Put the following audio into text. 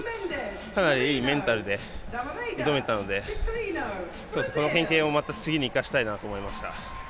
かなりいいメンタルで挑めたのでこの経験をまた次に生かしたいなと思いました。